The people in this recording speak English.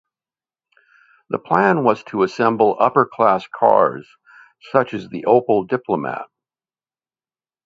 The plan was to assemble upper class cars such as the Opel Diplomat.